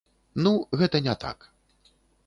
Ну, гэта не так.